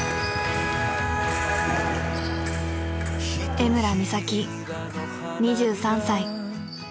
江村美咲２３歳。